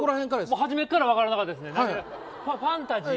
初めから分からなかったです。